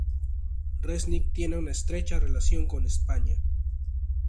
Resnick tiene una estrecha relación con España.